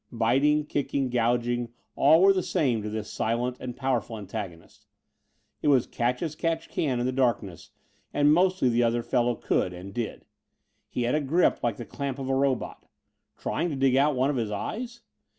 Biting, kicking, gouging, all were the same to this silent and powerful antagonist. It was catch as catch can in the darkness, and mostly the other fellow could and did. He had a grip like the clamp of a robot. Trying to dig out one of his eyes?